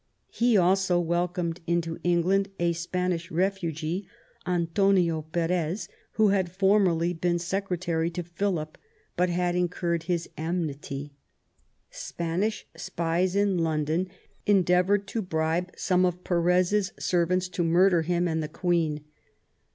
He also welcomed into England a Spanish refugee, Antonio Perez, who had formerly been secretary to Philip, but had 268 QUEEN ELIZABETH. incurred his enmity. Spanish spies in London endeavoured to bribe some of Perez's servants to murder him and the Queen.